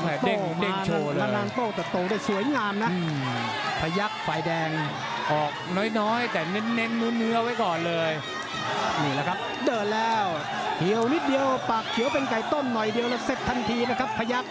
เพชรหัวหิวอย่างว่าแล้วครับบวนเคยต่อยกันมา